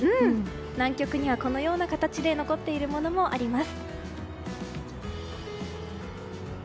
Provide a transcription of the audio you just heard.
南極には、このような形で残っているものもあります。